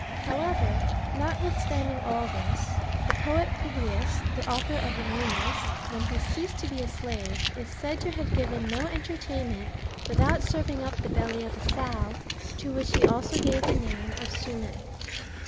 However, notwithstanding all this, the poet Publius,^'' the author of the Mimes, when he ceased to be a slave, is said to have given no entertainment without serving up the beUy of a sow, to which he also gave the name of " sumen."